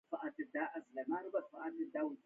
پلار یې پیسې راولېږلې.